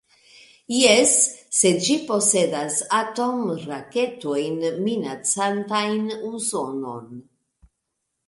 Jes, se ĝi posedas atomraketojn minacantajn Usonon.